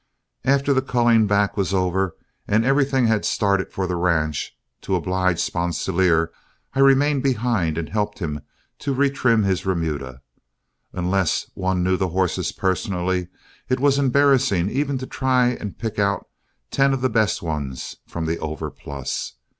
After the culling back was over, and everything had started for the ranch, to oblige Sponsilier, I remained behind and helped him to retrim his remuda. Unless one knew the horses personally, it was embarrassing even to try and pick ten of the best ones from the overplus.